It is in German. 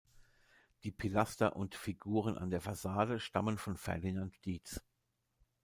Die Pilaster und Figuren an der Fassade stammen von Ferdinand Dietz.